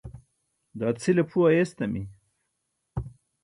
daa cʰile phu ayestami